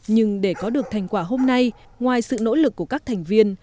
nhưng để có được thành quả hôm nay ngoài sự nỗ lực của các thành viên